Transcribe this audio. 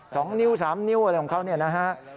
สองนิ้วสามนิ้วอะไรของเขาเนี่ยนะฮะ